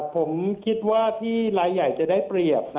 ผมคิดว่าที่รายใหญ่จะได้เปรียบ